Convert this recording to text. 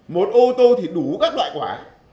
một ô tô thì đủ các loại quả